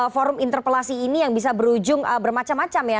forum interpelasi ini yang bisa berujung bermacam macam ya